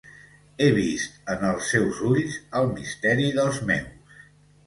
He vist en els seus ulls el misteri dels meus.